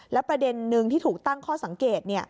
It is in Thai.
และประเด็นนึงที่ถูกตั้งข้อสังเกต